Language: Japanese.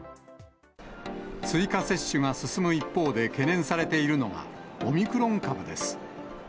追加接種が進む一方で懸念されているのがオミクロン株です。